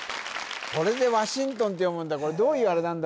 これでワシントンって読むんだ